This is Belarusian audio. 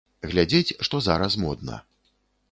Глядзець, што зараз модна.